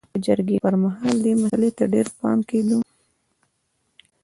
د جګړې پرمهال دې مسئلې ته ډېر پام کېده